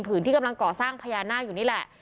ที่กำลังก่อสร้างพญานาคอยู่นี่แหละ